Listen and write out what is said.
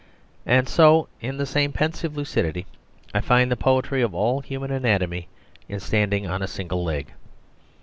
And so, in the same pensive lucidity, I find the poetry of all human anatomy in standing on a single leg.